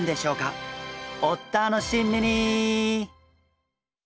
お楽しみに。